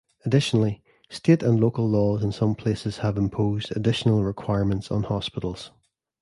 Additionally, state and local laws in some places have imposed additional requirements on hospitals.